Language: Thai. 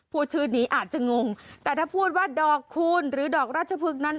พูดชื่อนี้อาจจะงงแต่ถ้าพูดว่าดอกคูณหรือดอกราชพฤกษ์นั้น